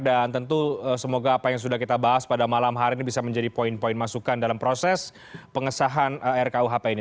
dan tentu semoga apa yang sudah kita bahas pada malam hari ini bisa menjadi poin poin masukan dalam proses pengesahan rkuhp ini